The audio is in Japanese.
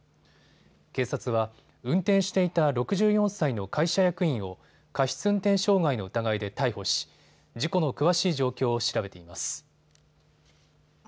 警察は運転していた６４歳の会社役員を過失運転傷害の疑いで逮捕し事故の詳しい状況を調べています。